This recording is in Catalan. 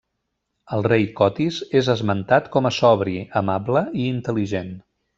El rei Cotis és esmentat com a sobri, amable i intel·ligent.